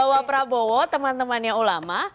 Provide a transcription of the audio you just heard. bahwa prabowo teman temannya ulama